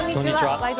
「ワイド！